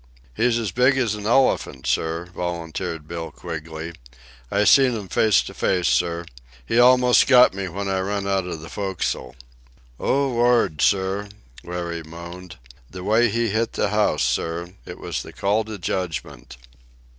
"He's as big as a elephant, sir," volunteered Bill Quigley. "I seen'm face to face, sir. He almost got me when I run out of the fo'c's'le." "Oh, Lord, sir!" Larry moaned. "The way he hit the house, sir. It was the call to Judgment."